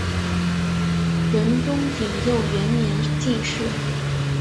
仁宗景佑元年进士。